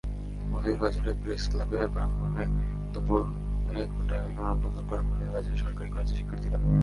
Moulvibazar press club প্রাঙ্গণে দুপুরে ঘণ্টাব্যাপী মানববন্ধন করেন মৌলভীবাজার সরকারি কলেজের শিক্ষার্থীরা।